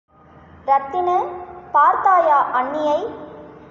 ரத்தினு, பார்த்தாயா அண்ணியை?